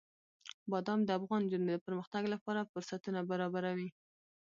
بادام د افغان نجونو د پرمختګ لپاره فرصتونه برابروي.